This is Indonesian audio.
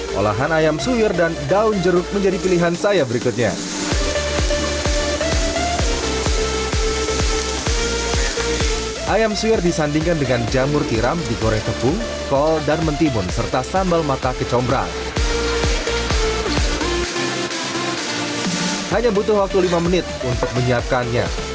ketika kita ke pasar tidak perlu khawatir karena disini juga ada menu salad yang segar seperti ini